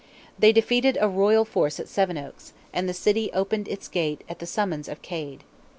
They defeated a royal force at Sevenoaks, and the city opened its gate at the summons of Cade.